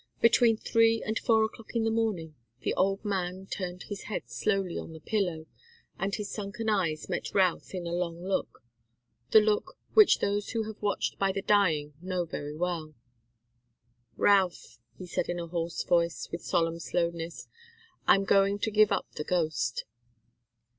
Between three and four o'clock in the morning, the old man turned his head slowly on the pillow, and his sunken eyes met Routh's in a long look the look which those who have watched by the dying know very well. "Routh," said the hoarse voice, with solemn slowness, "I'm going to give up the ghost."